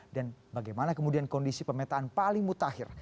dan bagaimana kemudian kondisi pemetaan paling mutakhir